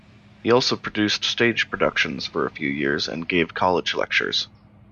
He also produced stage productions for a few years and gave college lectures.